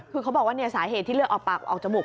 คือเขาบอกว่าสาเหตุที่เลือดออกปากออกจมูก